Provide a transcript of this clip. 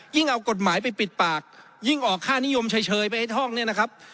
เอากฎหมายไปปิดปากยิ่งออกค่านิยมเฉยไปไอ้ท่องเนี่ยนะครับ